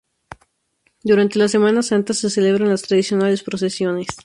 Durante la Semana Santa se celebran las tradicionales procesiones.